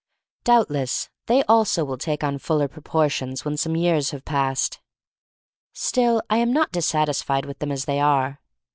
Doubtless they also will take on fuller proportions when some years have passed. Still I am not dissatisfied with them as they are.